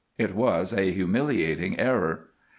It was a humiliating error.